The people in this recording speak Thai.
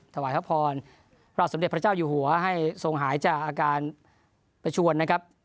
ถวายพระพรพระบาทสมเด็จพระเจ้าอยู่หัวให้ทรงหายจากอาการประชวนนะครับ